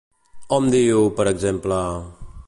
Hom diu, per exemple...